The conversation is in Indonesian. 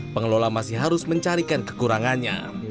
pengelola masih harus mencarikan kekurangannya